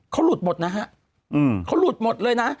เขาหลุดหมดนะฮะเขาหลุดหมดเลยนะ